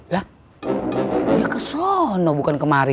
lah dia kesono bukan kemari